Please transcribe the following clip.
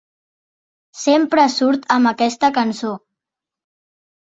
Sempre surt amb aquesta cançó!